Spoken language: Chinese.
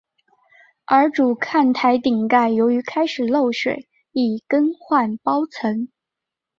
而主看台顶盖由于开始漏水亦更换包层。